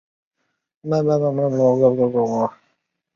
也可以通过轮渡到达科西嘉岛的另外几个城市。